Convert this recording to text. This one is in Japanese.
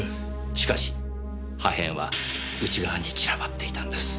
しかし破片は内側に散らばっていたんです。